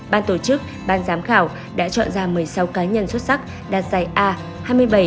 ban tổ chức ban giám khảo đã chọn ra một mươi sáu cá nhân xuất sắc đạt giải a